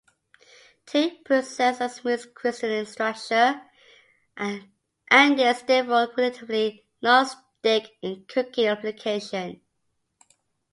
Tin presents a smooth crystalline structure and is therefore relatively non-stick in cooking applications.